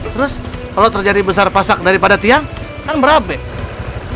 terus kalau terjadi besar pasak daripada tiang kan merabek